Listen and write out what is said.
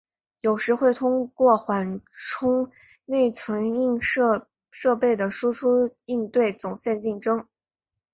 有时会通过缓冲内存映射设备的输出应对总线竞争。